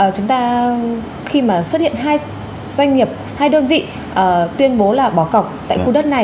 chúng ta khi mà xuất hiện hai doanh nghiệp hai đơn vị tuyên bố là bỏ cọc tại khu đất này